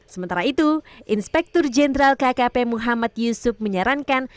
sementara itu inspektur jenderal kkp muhammad yusuf menyarankan